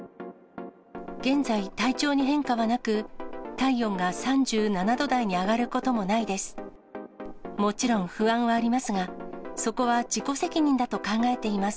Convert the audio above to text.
現在、体調に変化はなく、体温が３７度台に上がることもないです。